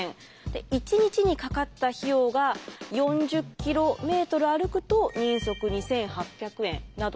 一日にかかった費用が４０キロメートル歩くと人足２，８００円などなど。